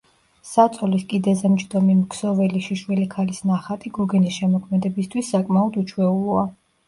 საწოლის კიდეზე მჯდომი მქსოველი შიშველი ქალის ნახატი გოგენის შემოქმედებისთვის საკმაოდ უჩვეულოა.